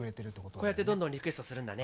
こうやってどんどんリクエストするんだね。